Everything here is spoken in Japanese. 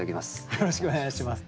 よろしくお願いします。